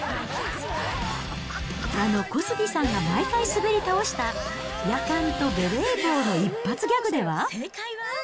あの小杉さんが毎回滑り倒したヤカンとベレー帽の一発ギャグでは？